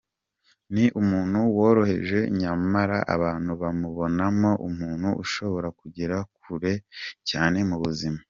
Ni umuntu woroheje nyamara abantu bamubonamo umuntu ushobora kugera kure cyane mu buzima.